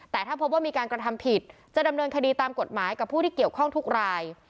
แต่ถ้าพบว่ามีการกระทำผิดจะดำเนินคดีตามกฎหมายกับผู้ที่เกี่ยวข้องทุกราย